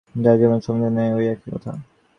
মানব জীবনের সম্বন্ধেও ঐ একই কথা।